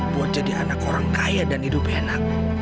buat jadi anak orang kaya dan hidup enak